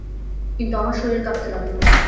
কিন্তু আমার শরীর কাঁপতে লাগল।